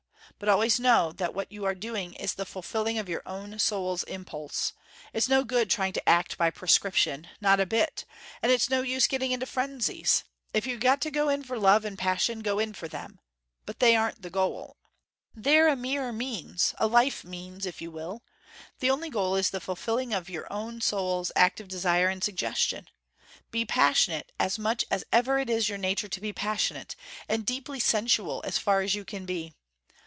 But always know that what you are doing is the fulfilling of your own soul's impulse. It's no good trying to act by prescription: not a bit. And it's no use getting into frenzies. If you've got to go in for love and passion, go in for them. But they aren't the goal. They're a mere means: a life means, if you will. The only goal is the fulfilling of your own soul's active desire and suggestion. Be passionate as much as ever it is your nature to be passionate, and deeply sensual as far as you can be.